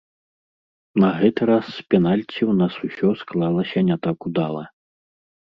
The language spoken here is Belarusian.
На гэты раз з пенальці ў нас усё склалася не так удала.